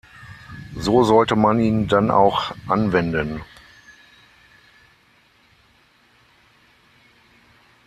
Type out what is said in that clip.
So sollte man ihn dann auch anwenden.